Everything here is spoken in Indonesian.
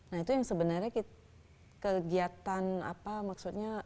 nah itu yang sebenarnya kegiatan apa maksudnya